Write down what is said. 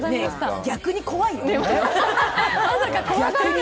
ねぇ、逆に怖いよ？